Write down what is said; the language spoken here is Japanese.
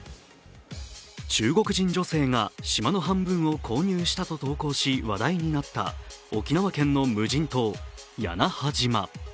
中国人女性が島の半分を購入したと投稿し話題になった、沖縄県の無人島・屋那覇島。